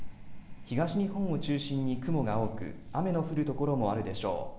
東日本を中心に雲が多く雨の降る所もあるでしょう。